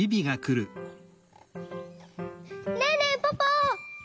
ねえねえポポ！